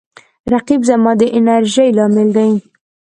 رقیب زما د انرژۍ لامل دی